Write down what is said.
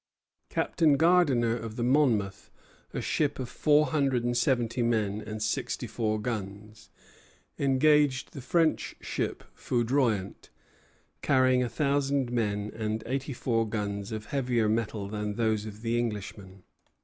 Captain Gardiner of the "Monmouth," a ship of four hundred and seventy men and sixty four guns, engaged the French ship "Foudroyant," carrying a thousand men and eighty four guns of heavier metal than those of the Englishman.